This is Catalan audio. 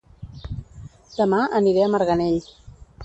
Dema aniré a Marganell